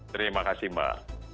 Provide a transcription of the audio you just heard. terima kasih mbak